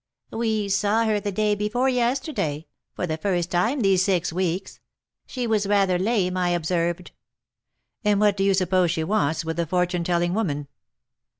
"We saw her the day before yesterday, for the first time these six weeks. She was rather lame, I observed." "And what do you suppose she wants with the fortune telling woman?"